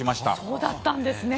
そうだったんですね。